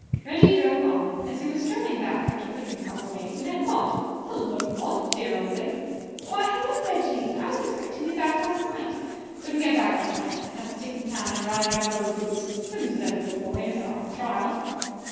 Reggie drove on. As he was strolling back after putting the car away he met Maud. "Hullo, Maud, dear old thing." "Why, hullo, Reggie. I was expecting you back last night." "Couldn't get back last night. Had to stick in town and rally round old Boots. Couldn't desert the old boy in his hour of trial."